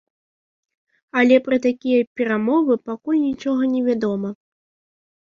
Але пра такія перамовы пакуль нічога не вядома.